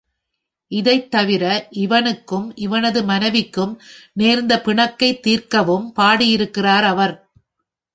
இதுதவிர, இவனுக்கும் இவனது மனைவிக்கும் நேர்ந்த பிணக்கைத் தீர்க்கவும் பாடியிருக்கிறார் அவர்.